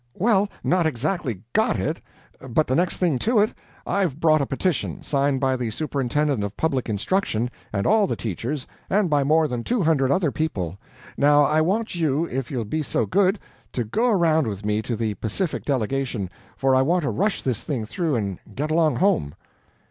"Well, not exactly GOT it, but the next thing to it. I've brought a petition, signed by the Superintendent of Public Instruction, and all the teachers, and by more than two hundred other people. Now I want you, if you'll be so good, to go around with me to the Pacific delegation, for I want to rush this thing through and get along home."